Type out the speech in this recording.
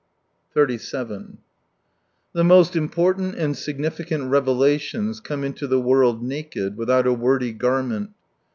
56 37 The most important and significant revela tions come into the world naked, without a wordy garment.